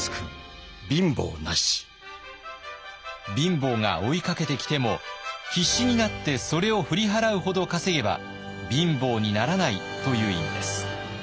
貧乏が追いかけてきても必死になってそれを振り払うほど稼げば貧乏にならないという意味です。